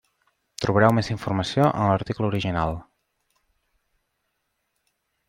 Trobareu més informació en l'article original.